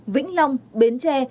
vĩnh long bến tre